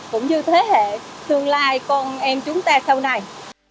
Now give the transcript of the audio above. cũng như thế hệ tương lai con em chúng ta sau này